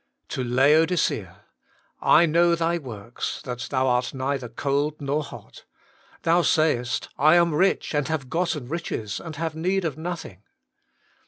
To Laodicea :'/ knozv thy zvorks, that thou art neither cold nor hot. Thou sayest, I am rich and have gotten riches, and have need of nothing.'